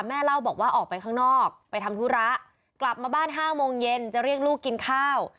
เล่าบอกว่าออกไปข้างนอกไปทำธุระกลับมาบ้าน๕โมงเย็นจะเรียกลูกกินข้าว